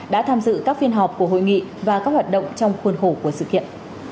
đã tham dự các phiên họp của hội nghị và các hoạt động trong khuôn khổ của sự kiện